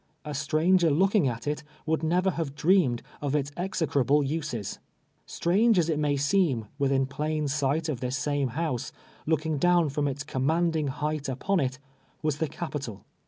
A stranger looking at it, would never have dreamed of its exe crable uses. Strange as it may seem, within jtlain sight of this same house, looking down iVom its com mandlng height u})ou it, M'as the Ca])itol.